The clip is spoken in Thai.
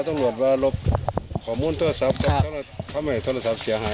ตำรวจมารบข้อมูลโทรศัพท์ทำให้โทรศัพท์เสียหาย